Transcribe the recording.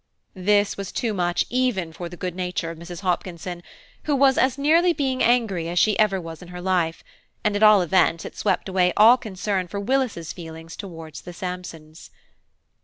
This was too much even for the goodnature of Mrs. Hopkinson, who was as nearly being angry as ever she was in her life; and at all events, it swept away all concern for Willis's feelings towards the Sampsons.